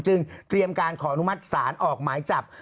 เตรียมการขออนุมัติศาลออกหมายจับ